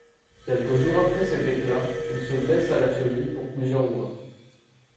Quelques jours après cet éclat, il se blesse à la cheville pour plusieurs mois.